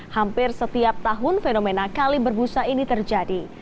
hampir setiap tahun fenomena kali berbusa ini terjadi